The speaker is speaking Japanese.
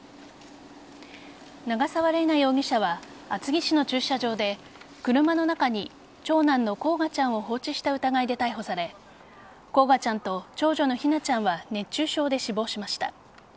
長沢麗奈容疑者は厚木市の駐車場で車の中に長男の煌翔ちゃんを放置した疑いで逮捕され煌翔ちゃんと長女の姫梛ちゃんは熱中症で死亡しました。